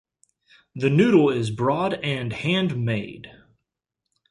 The noodle is broad and hand-made.